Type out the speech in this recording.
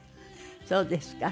そうですか。